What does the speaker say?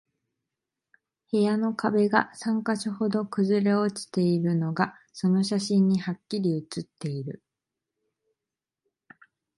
部屋の壁が三箇所ほど崩れ落ちているのが、その写真にハッキリ写っている